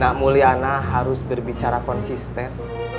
kalau namulyana harus berbicara konsisten